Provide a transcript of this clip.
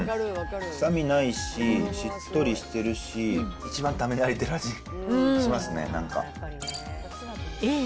臭みないし、しっとりしてるし、一番食べ慣れてる味しますね、なんか。